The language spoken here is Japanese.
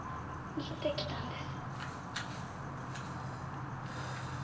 逃げてきたんです。